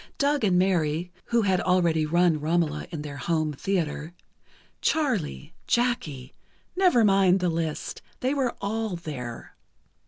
Doug and Mary (who had already run "Romola" in their home theatre), Charlie, Jackie ... never mind the list, they were all there.